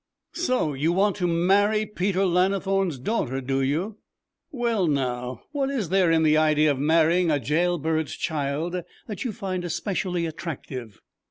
'So you want to marry Peter Lannithorne's daughter, do you? Well, now what is there in the idea of marrying a jail bird's child that you find especially attractive?'